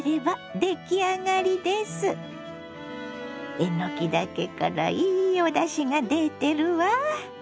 えのきだけからいいおだしが出てるわ。